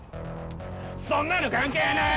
そんなの関係ねぇ！